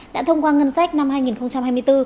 đã thông qua ngân sách năm hai nghìn hai mươi bốn